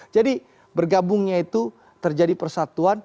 jadi bergabungnya itu terjadi persatuan